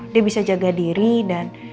dia bisa jaga diri dan